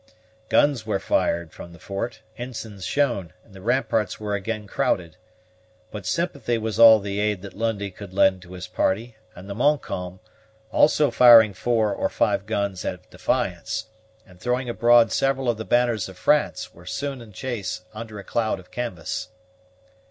Guns were fired from the fort, ensigns shown, and the ramparts were again crowded. But sympathy was all the aid that Lundie could lend to his party; and the Montcalm, also firing four or five guns of defiance, and throwing abroad several of the banners of France, was soon in chase under a cloud of canvas.